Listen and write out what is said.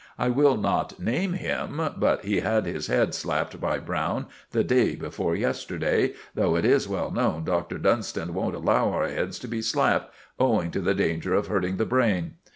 I will not name him; but he had his head slapped by Browne the day before yesterday, though it is well known Dr. Dunstan won't allow our heads to be slapped, owing to the danger of hurting the brain.